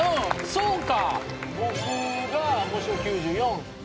そうか。